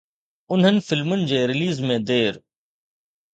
انهن فلمن جي رليز ۾ دير